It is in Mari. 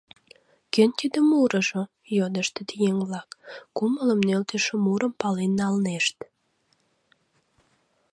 — Кӧн тиде мурыжо? — йодыштыт еҥ-влак, кумылым нӧлтышӧ мурым пален налнешт.